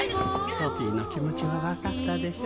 ソフィーの気持ちは分かったでしょ。